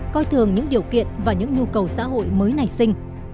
coi thường những điều kiện và những nhu cầu xã hội mới nảy sinh